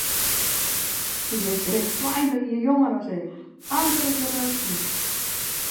Hy is grif tweintich jier jonger as ik, amper út de ruften.